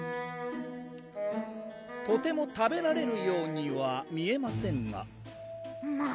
とても食べられるようには見えませんがもう！